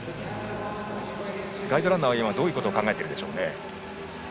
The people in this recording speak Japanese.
ガイドランナーはどういうことを考えているか。